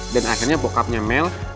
dan akhirnya bokapnya mel